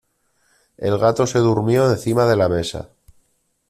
El gato se durmió encima de la mesa.